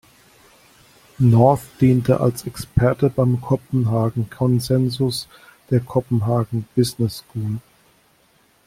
North diente als Experte beim Copenhagen Consensus der Copenhagen Business School.